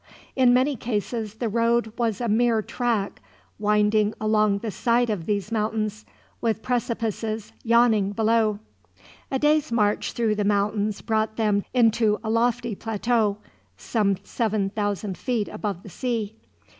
In many cases the road was a mere track winding along the side of these mountains, with precipices yawning below. A day's march through the mountains brought them into a lofty plateau, some seven thousand feet above the sea.